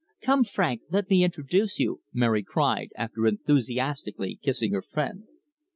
"Come, Frank, let me introduce you," Mary cried, after enthusiastically kissing her friend.